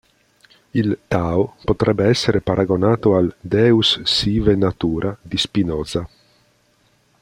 Il "Tao" potrebbe essere paragonato al "Deus-sive-Natura" di Spinoza.